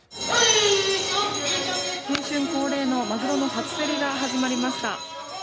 新春恒例のまぐろの初競りが始まりました。